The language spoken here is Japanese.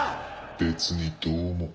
別にどうも。